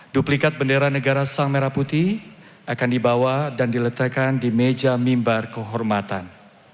duplikat bendera negara sang merah putih akan dibawa dan diletakkan di meja mimbar kehormatan